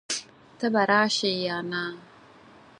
ته به راشې يا نه؟